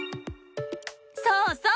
そうそう！